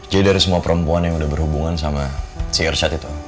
jadi dari semua perempuan yang udah berhubungan sama si irsyad itu